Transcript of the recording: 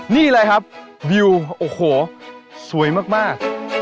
นี่เลยครับวิวโอ้โหสวยมาก